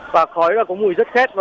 và khói có mùi rất khét